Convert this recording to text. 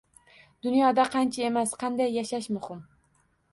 Dunyoda qancha emas, qanday yashash muhim.